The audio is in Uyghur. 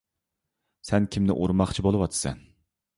سەن كىمنى ئۇرماقچى بولۇۋاتىسەن؟